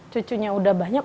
cucunya udah banyak